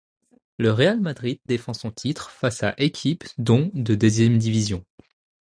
Le Real Madrid défend son titre face à équipes dont de deuxième division.